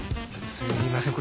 すいません